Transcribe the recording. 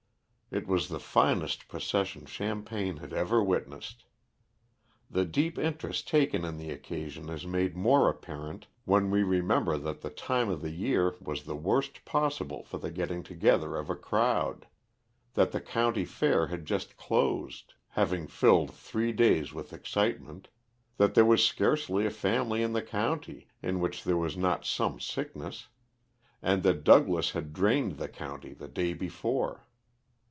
It was the finest procession Champaign has ever witnessed. The deep interest taken in the occasion is made more apparent, when we remember that the time of the year was the worst possible for the getting together of a crowd; that the county fair had just closed, having filled three days with excitement, that there was scarcely a family in the county, in which there was not some sickness; and that Douglas had drained the country the day before.